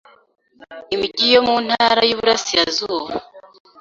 imijyi yo mu Ntara y’Iburasirazuba